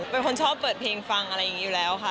เป็นคนชอบเปิดเพลงฟังอะไรอย่างนี้อยู่แล้วค่ะ